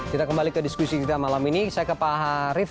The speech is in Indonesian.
kita kembali ke diskusi kita malam ini saya ke pak harif